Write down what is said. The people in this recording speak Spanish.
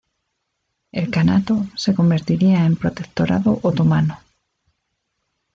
El Kanato se convertiría en protectorado otomano.